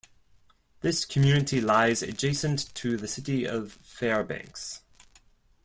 This community lies adjacent to the city of Fairbanks.